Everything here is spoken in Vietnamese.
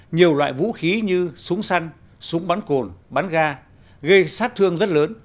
nhiều loại vũ khí như súng săn súng bắn cồn bắn ga gây sát thương rất lớn